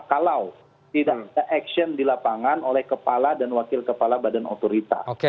kalau tidak ada action di lapangan oleh kepala dan wakil kepala badan otorita